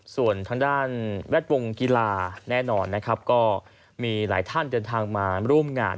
ส่วนทางด้านแวดวงกีฬาแน่นอนนะครับก็มีหลายท่านเดินทางมาร่วมงาน